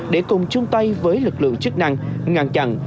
để cùng chung tay với lực lượng chức năng ngăn chặn